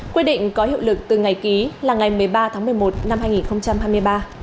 quyết định có hiệu lực từ ngày ký là ngày một mươi ba tháng một mươi một năm hai nghìn hai mươi ba